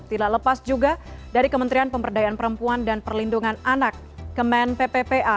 tidak lepas juga dari kementerian pemberdayaan perempuan dan perlindungan anak kemen pppa